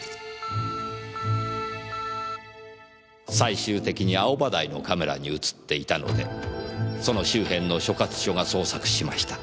最終的に青葉台のカメラに映っていたのでその周辺の所轄署が捜索しました。